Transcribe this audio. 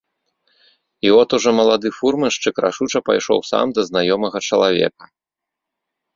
І от ужо малады фурманшчык рашуча пайшоў сам да знаёмага чалавека.